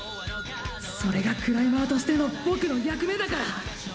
それがクライマーとしてのボクの役目だから！！